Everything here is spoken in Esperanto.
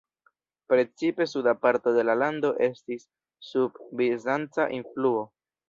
Precipe suda parto de la lando estis sub bizanca influo.